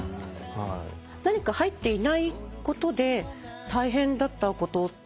何か入っていないことで大変だったこととかはありますか？